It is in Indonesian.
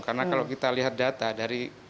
karena kalau kita lihat data dari